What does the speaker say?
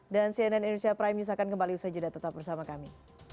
dan cnn indonesia prime menyusahkan kembali usaha jeda tetap bersama kami